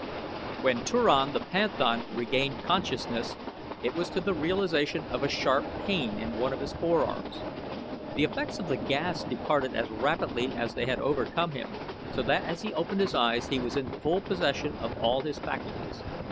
When Turan the panthan regained consciousness it was to the realization of a sharp pain in one of his forearms. The effects of the gas departed as rapidly as they had overcome him so that as he opened his eyes he was in full possession of all his faculties.